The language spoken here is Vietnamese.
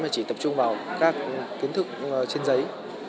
mà chỉ tập trung vào các kiến thức trên giấy